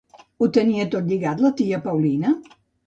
Ho tenia tot lligat la tia Paulina?